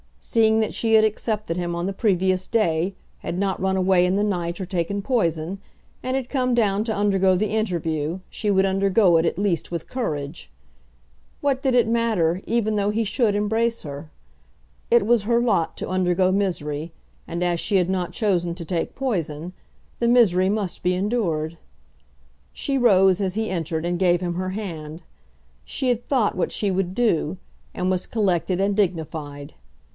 Seeing that she had accepted him on the previous day, had not run away in the night or taken poison, and had come down to undergo the interview, she would undergo it at least with courage. What did it matter, even though he should embrace her? It was her lot to undergo misery, and as she had not chosen to take poison, the misery must be endured. She rose as he entered and gave him her hand. She had thought what she would do, and was collected and dignified.